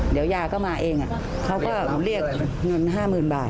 เดี๋ยวยาก็มาเองอะเขาก็เรียกเงินห้าหมื่นบาท